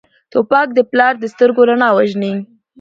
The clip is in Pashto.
توپک د پلار د سترګو رڼا وژني.